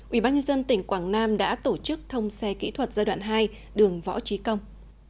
ubnd tỉnh quảng nam đã tổ chức thông xe kỹ thuật giai đoạn hai đường võ trí công